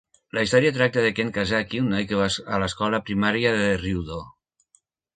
La història tracta de Ken Kazaki, un noi que va a l'escola primària de Ryudo.